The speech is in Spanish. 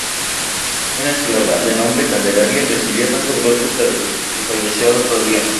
Una esclava, de nombre Candelaria recibió tantos golpes que falleció al otro día.